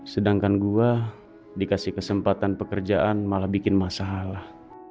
sedangkan gue dikasih kesempatan pekerjaan malah bikin masalah